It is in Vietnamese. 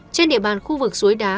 trên địa bàn khu vực suối đá